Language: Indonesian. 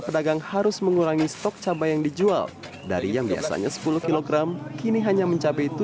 pedagang harus mengurangi stok cabai yang dijual dari yang biasanya sepuluh kg kini hanya mencapai